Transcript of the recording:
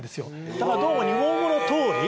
だからどうも日本語の「通り」。